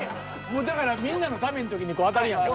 もうだからみんなのための時に当たるやん。